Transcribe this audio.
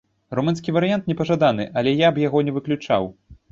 Румынскі варыянт не пажаданы, але я б яго не выключаў.